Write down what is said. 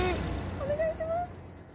お願いします。